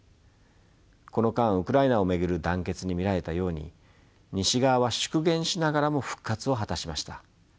この間ウクライナを巡る団結に見られたように西側は縮減しながらも復活を果たしました。